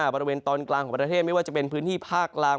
บริเวณตอนกลางของประเทศไม่ว่าจะเป็นพื้นที่ภาคกลาง